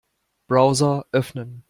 Browser öffnen.